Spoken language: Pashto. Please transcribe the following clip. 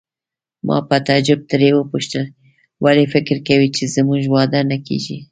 ما په تعجب ترې وپوښتل: ولې فکر کوې چې زموږ واده نه کیږي؟